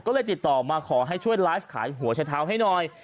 ก็เลยติดต่อมาขอให้ช่วยไลฟ์ขายหัวชะเท้าให้หน่อย